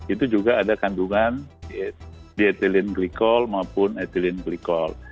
itu juga ada kandungan diethylglycol maupun ethylene glycol